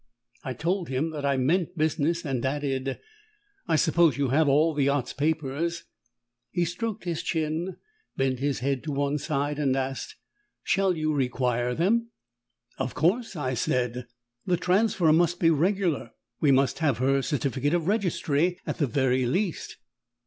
I told him that I meant business, and added "I suppose you have all the yacht's papers?" He stroked his chin, bent his head to one side, and asked, "Shall you require them?" "Of course," I said; "the transfer must be regular. We must have her certificate of registry, at the very least."